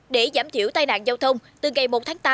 để giảm thiểu tai nạn giao thông từ ngày một tháng tám